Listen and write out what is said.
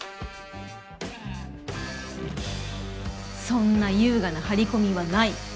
そんな優雅な張り込みはない！